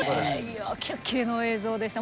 キレッキレの映像でした。